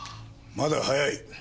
まだ早い。